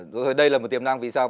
thôi đây là một tiềm năng vì sao